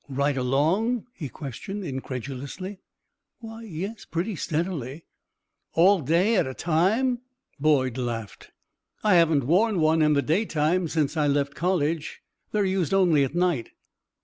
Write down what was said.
"Right along?" he questioned, incredulously. "Why, yes. Pretty steadily." "All day, at a time?" Boyd laughed. "I haven't worn one in the daytime since I left college. They are used only at night."